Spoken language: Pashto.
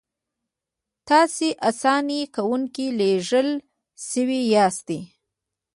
تاسې اساني کوونکي لېږل شوي یاستئ.